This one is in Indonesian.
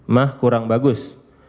mah kurang bagus